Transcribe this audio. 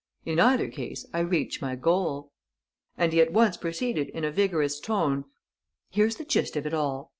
In either case I reach my goal." And he at once proceeded in a vigorous tone: "Here's the gist of it all.